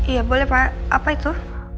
iya boleh pak apa itu